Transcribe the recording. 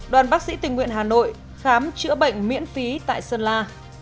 đoàn bác sĩ tình nguyện hà nội khám chữa bệnh miễn phí tại sơn la